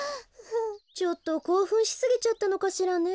ちょっとこうふんしすぎちゃったのかしらね。